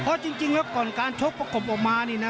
เพราะจริงแล้วก่อนการชกประกบออกมานี่นะ